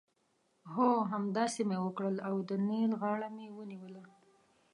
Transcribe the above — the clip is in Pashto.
هو! همداسې مې وکړل او د نېل غاړه مې ونیوله.